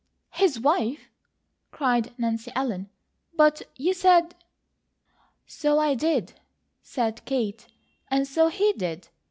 "His wife!" cried Nancy Ellen. "But you said " "So I did," said Kate. "And so he did.